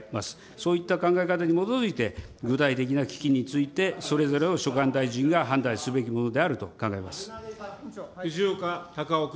そういった考え方に基づいて、具体的な基金についてそれぞれの所管大臣が判断するべきものであ藤岡隆雄君。